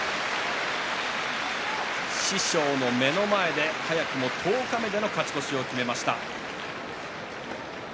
師匠の目の前で早くも十日目での勝ち越しを決めました。